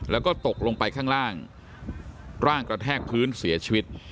แล้วก็ตกลงไปข้างล่างร่างกระแทกพื้นเสียชีวิต